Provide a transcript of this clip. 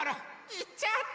いっちゃった！